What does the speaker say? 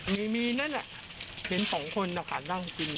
มีมีนั่นแหละเห็นสองคนนะคะนั่งกิน